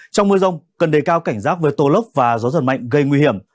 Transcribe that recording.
trong mưa rông cần đề cao cảnh rác với tô lốc và gió dần mạnh gây nguy hiểm